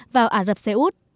vào ả rập xê út